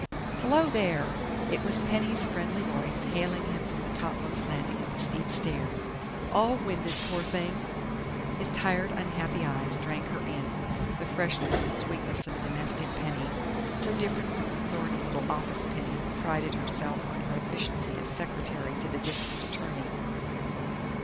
"Hello, there!" It was Penny's friendly voice, hailing him from the topmost landing of the steep stairs. "All winded, poor thing?" His tired, unhappy eyes drank her in the freshness and sweetness of a domestic Penny, so different from the thorny little office Penny who prided herself on her efficiency as secretary to the district attorney....